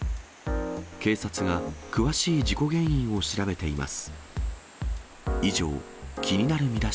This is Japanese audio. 警察が詳しい事故原因を調べています。